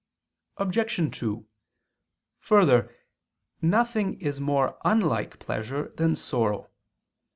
Obj. 2: Further, nothing is more unlike pleasure than sorrow.